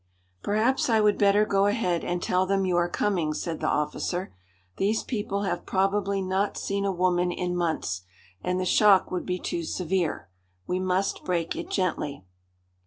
"Perhaps I would better go ahead and tell them you are coming," said the officer. "These people have probably not seen a woman in months, and the shock would be too severe. We must break it gently."